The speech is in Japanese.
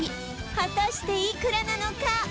果たしていくらなのか？